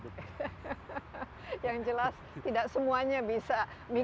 dayu tidak merawat bumi kita dengan baik karena kita utan suatu bumi